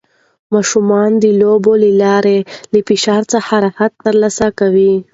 ماشومان د لوبو له لارې له فشار څخه راحت ترلاسه کوي.